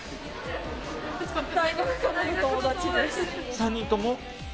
３人とも？